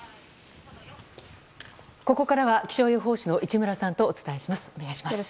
ここからは気象予報士の市村さんとお伝えします。